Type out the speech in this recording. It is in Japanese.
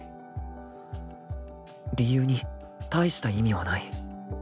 ［理由に大した意味はない］